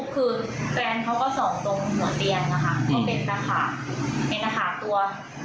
เขาเลี้ยงมาดูกันทั้งบ้านเลยยื้อดู